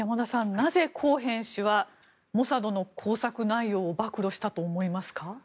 なぜ、コーヘン氏はモサドの工作内容を暴露したと思いますか？